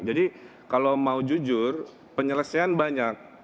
jadi kalau mau jujur penyelesaian banyak